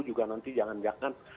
juga nanti jangan jangan